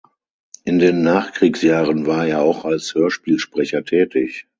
In den Nachkriegsjahren war er auch als Hörspielsprecher tätig.